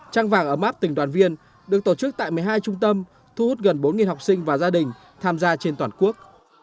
trăng vàng ấm áp tình đoàn viên được tổ chức tại một mươi hai trung tâm thu hút gần bốn học sinh và gia đình tham gia trên toàn quốc